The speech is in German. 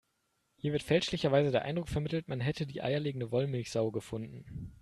Hier wird fälschlicherweise der Eindruck vermittelt, man hätte die eierlegende Wollmilchsau gefunden.